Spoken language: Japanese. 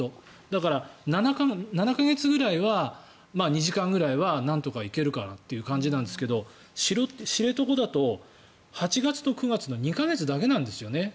だから７か月ぐらいは２時間ぐらいはなんとか行けるかなという感じですけど知床だと、８月と９月の２か月だけなんですよね。